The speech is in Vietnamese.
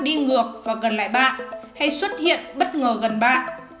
đi ngược và gần lại bạn hay xuất hiện bất ngờ gần bạ